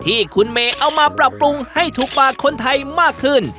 ที่คุณเมย์เอามาปรับปรุงให้ถูกปากคนไทยมากขึ้น